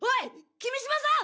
君島さん！